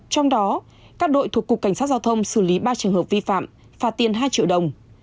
trong đó các đội thuộc cục cảnh sát giao thông xử lý ba trường hợp vi phạm phạt tiền hai triệu đồng